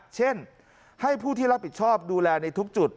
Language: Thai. เช่นให้ผู้ที่รับผิดชอบดูแลในทุกจุด